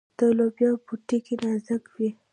د لوبیا پوټکی نازک وي.